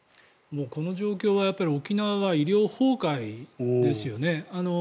この状況は沖縄は医療崩壊ですよね。